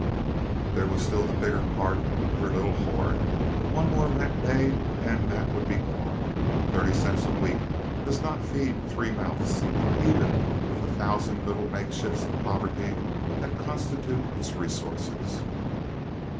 There was still the bigger part of her little hoard; but one more rent day, and that would be gone. Thirty cents a week does not feed three mouths, even with the thousand little makeshifts of poverty that constitute its resources.